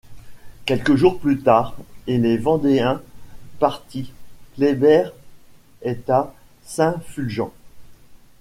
Quelques jours plus tard et les Vendéens partis, Kléber est à Saint-Fulgent.